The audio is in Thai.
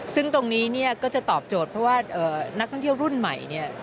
ซึ่งตรงนี้เนี่ยก็จะตอบโจทย์เพราะว่านักท่องเที่ยวรุ่นใหม่เนี่ย